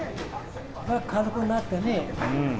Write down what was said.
軽くなったね。